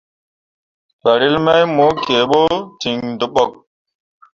Farel mai mo kǝǝɓo ten dǝɓok.